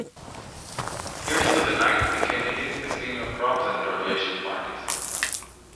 "Here's to the Night" became a hit at senior proms and graduation parties.